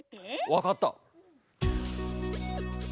わかった。